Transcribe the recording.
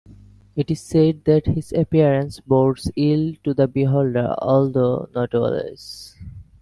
It is said that his appearance bodes ill to the beholder, although not always.